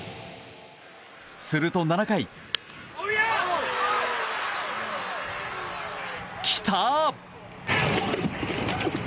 すると７回。来た！